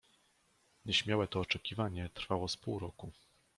"Nieśmiałe to oczekiwanie trwało z pół roku."